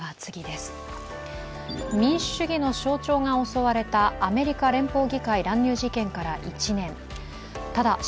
民主主義の象徴が襲われたアメリカ連邦議会乱入事件から１年ただ